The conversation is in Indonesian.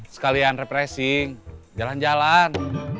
sekalian repressing jalan jalan